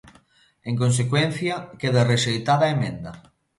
En consecuencia, queda rexeitada a emenda.